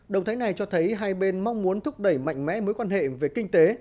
động thái này cho thấy hai bên mong muốn thúc đẩy mạnh mẽ mối quan hệ về kinh tế